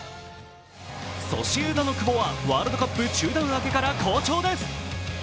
ソシエダの久保はワールドカップ中断明けから好調です。